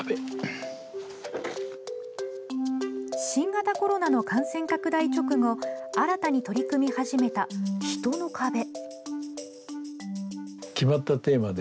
新型コロナの感染拡大直後新たに取り組み始めた「ヒトの壁」。